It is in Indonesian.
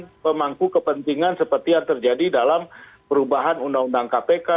sebagai pemangku kepentingan seperti yang terjadi dalam perubahan undang undang kpk